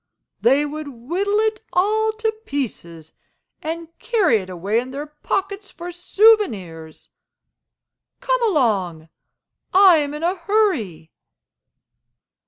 They would whittle it all to pieces, and carry it away in their pockets for souvenirs. Come along; I am in a hurry."